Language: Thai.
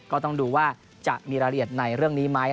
ก็ต้องดูว่าจะมีรายละเอียดในเรื่องนี้ไหม